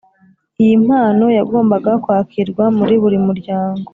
. Iyi mpano yagombaga kwakirwa muri buri muryango